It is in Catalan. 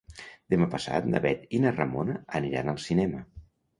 Demà passat na Bet i na Ramona aniran al cinema.